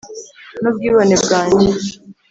nubwibone bwanjye.